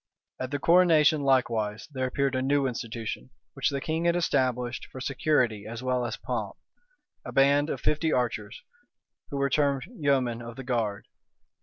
At the coronation, likewise, there appeared a new institution, which the king had established for security as well as pomp, a band of fifty archers, who were termed yeomen of the guard.